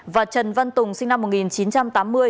và trần văn tùng sinh năm một nghìn chín trăm tám mươi